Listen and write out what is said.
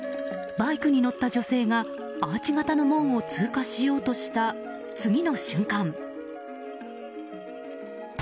バイクに乗った女性がアーチ形の門を通過しようとした次の瞬間。